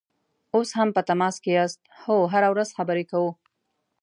اوس هم په تماس کې یاست؟ هو، هره ورځ خبرې کوو